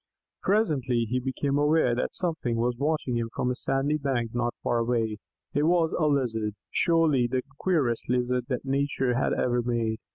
Presently he became aware that something was watching him from a sandy bank not far away. It was a Lizard surely the queerest Lizard that Nature had ever made.